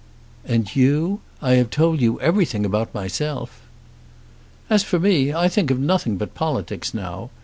"And you? I have told you everything about myself." "As for me, I think of nothing but politics now.